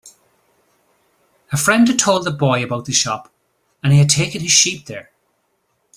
A friend had told the boy about the shop, and he had taken his sheep there.